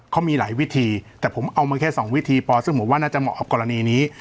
เขามีหลายวิธีแต่ผมเอามาแค่๒วิธีพอซึ่งผมว่าน่าจะเหมาะกับกรณีนี้